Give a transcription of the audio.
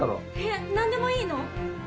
えっ何でもいいの？